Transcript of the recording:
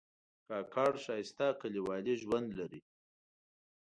کاکړ ښایسته کلیوالي ژوند لري.